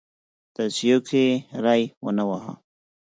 توصیو کې ری ونه واهه.